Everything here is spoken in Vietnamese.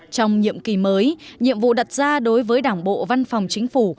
trong nhiệm kỳ mới nhiệm vụ đặt ra đối với đảng bộ văn phòng chính phủ